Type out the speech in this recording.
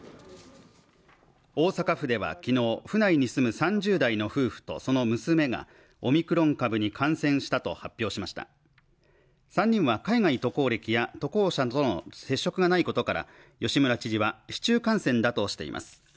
大阪府では昨日府内に住む３０代の夫婦とその娘がオミクロン株に感染したと発表しました３人は海外渡航歴や渡航者との接触がないことから吉村知事は市中感染だとしています